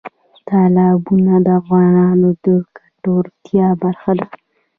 تالابونه د افغانانو د ګټورتیا برخه ده.